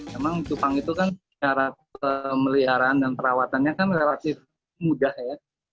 memang cupang itu kan cara pemeliharaan dan perawatannya kan relatif mudah ya